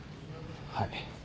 はい。